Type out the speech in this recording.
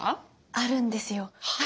あるんですよ。